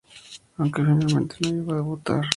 Aunque finalmente no llegó a debutar.